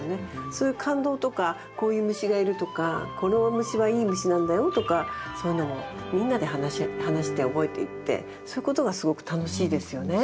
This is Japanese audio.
そういう感動とかこういう虫がいるとかこの虫はいい虫なんだよとかそういうのもみんなで話して覚えていってそういうことがすごく楽しいですよね。